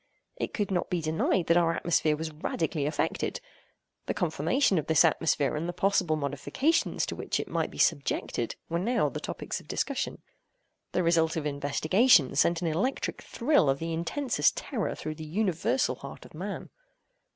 It could not be denied that our atmosphere was radically affected; the conformation of this atmosphere and the possible modifications to which it might be subjected, were now the topics of discussion. The result of investigation sent an electric thrill of the intensest terror through the universal heart of man.